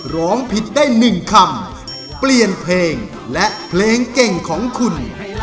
ร้องผิดได้๑คำเปลี่ยนเพลงและเพลงเก่งของคุณ